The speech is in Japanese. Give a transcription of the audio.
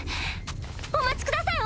お待ちください